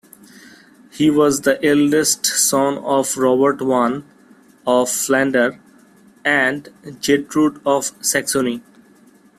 He was the eldest son of Robert I of Flanders and Gertrude of Saxony.